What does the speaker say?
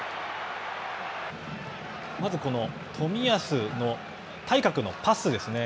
まず、冨安の対角のパスですね。